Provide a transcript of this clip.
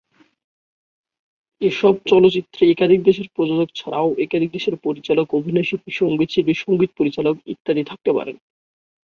এসব চলচ্চিত্রে একাধিক দেশের প্রযোজক ছাড়াও একাধিক দেশের পরিচালক, অভিনয়শিল্পী, সঙ্গীতশিল্পী, সঙ্গীত পরিচালক ইত্যাদি থাকতে পারেন।